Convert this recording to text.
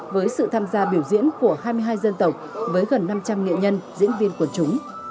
với sự tham gia biểu diễn của hai mươi hai dân tộc với gần năm trăm linh nghệ nhân diễn viên quần chúng